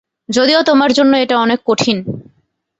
যদিও তোমার জন্য এটা অনেক কঠিন।